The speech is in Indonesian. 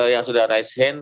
yang sudah raise hand